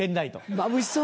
まぶしそう。